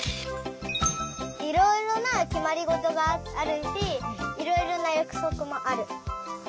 いろいろなきまりごとがあるしいろいろなやくそくもある。